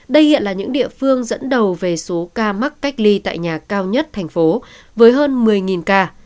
đây hiện là những địa phương dẫn đầu về số ca mắc cách ly tại nhà cao nhất thành phố với hơn một mươi ca